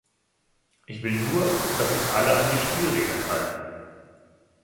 Ich will nur, dass sich alle an die Spielregeln halten!